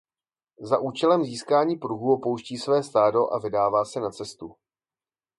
Za účelem získání pruhů opouští své stádo a vydává na cestu.